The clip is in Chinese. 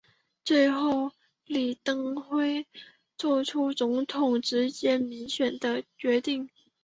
最后李登辉做出总统直接民选的决定。